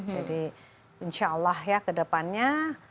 jadi insya allah ya kedepannya